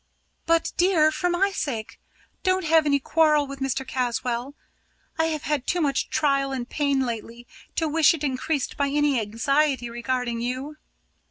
"But, dear, for my sake, don't have any quarrel with Mr. Caswall. I have had too much trial and pain lately to wish it increased by any anxiety regarding you."